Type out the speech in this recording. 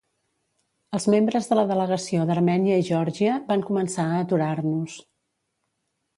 Els membres de la delegació d'Armènia i Geòrgia van començar a aturar-nos.